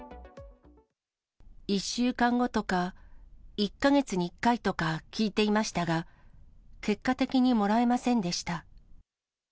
１週間後とか、１か月に１回とか、聞いていましたが、結果的にもらえませんでした。